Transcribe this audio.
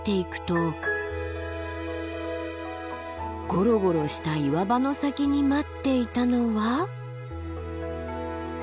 ゴロゴロした岩場の先に待っていたのは。